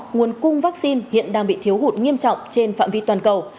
nguồn cung vaccine hiện đang bị thiếu hụt nghiêm trọng trên phạm vi toàn cầu